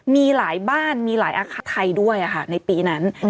มีหลายบ้านมีหลายอาคารไทยด้วยในปีนั้น